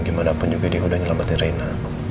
gimanapun juga dia udah nyelamatin reina